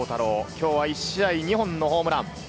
今日は１試合２本のホームラン。